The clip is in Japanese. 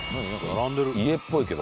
家っぽいけど。